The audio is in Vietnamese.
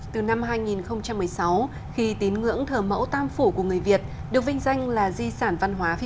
từ năm hai nghìn một mươi sáu khi tín ngưỡng thờ mẫu tam phủ của người việt được vinh danh là di sản văn hóa phi